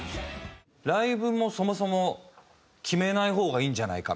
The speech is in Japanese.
ライブもそもそも決めない方がいいんじゃないかみたいな。